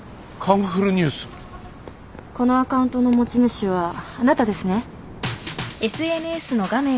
このアカウントの持ち主はあなたですね？